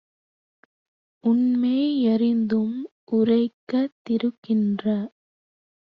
உண்மை யறிந்தும் உரைக்கா திருக்கின்ற